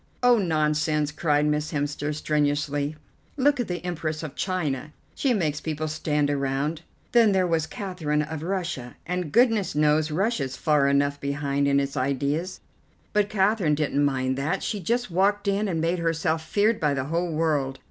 "Oh, nonsense!" cried Miss Hemster strenuously; "look at the Empress of China. She makes people stand around. Then there was Catherine of Russia, and goodness knows Russia's far enough behind in its ideas! But Catherine didn't mind that; she just walked in, and made herself feared by the whole world.